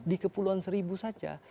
di kepulauan seribu saja